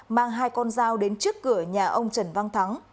mang hai con dao đến trước cửa nhà ông trần văn thắng